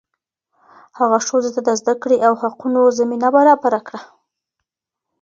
هغه ښځو ته د زده کړې او حقونو زمینه برابره کړه.